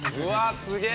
すげえ。